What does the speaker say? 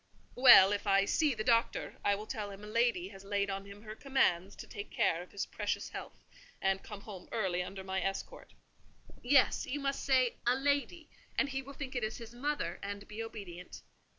"Well, if I see the Doctor, I will tell him a lady has laid on him her commands to take care of his precious health and come home early under my escort." "Yes, you must say a lady; and he will think it is his mother, and be obedient.